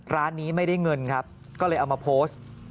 ร้านนี้ไม่ได้เงินครับก็เลยเอามาโพสต์